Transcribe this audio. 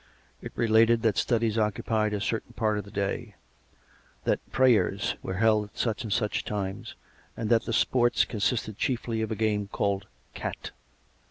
It related that studies occupied a certain part of the day; that "prayers" were held at such and such times, and that the s|3orts consisted chiefly of a game called " Cat."